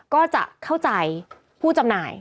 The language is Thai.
ก็จะเข้าใจผู้จำหน่าย